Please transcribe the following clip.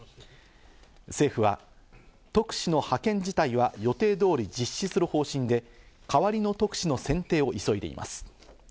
政府は特使の派遣自体は予定通り実施する方針で、代わりの特使の選定を急いでいます。